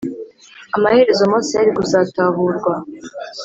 amaherezo Mose yari kuzatahurwa